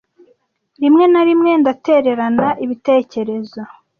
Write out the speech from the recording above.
rimwe na rimwe ndatererana ibitekerezo